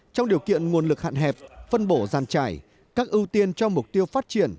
trong điều kiện nguồn lực hạn hẹp phân bổ giàn trải các ưu tiên cho mục tiêu phát triển